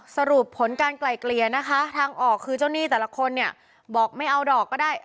สรุปผลการไกลเกลี่ยนะคะทางออกคือเจ้าหนี้แต่ละคนเนี่ยบอกไม่เอาดอกก็ได้